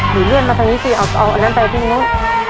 หนูเลื่อนมาขนกี้สิเอาเอาอันนั้นไปพี่นู่น